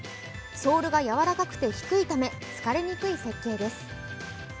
ソールが柔らかくて低いため、疲れにくい設計です。